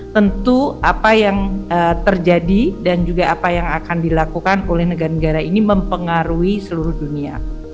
tentu apa yang terjadi dan juga apa yang akan dilakukan oleh negara negara ini mempengaruhi seluruh dunia